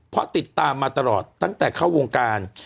เพราะติดตามมาตลอดตั้งแต่เข้าวงการ